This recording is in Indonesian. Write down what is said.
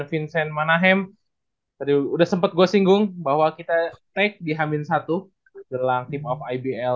vincent manahem tadi udah sempet gua singgung bahwa kita teks di hamin satu gelang tip of ibl